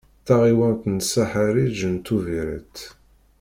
Taɣiwant n Saḥariǧ n Tuviret.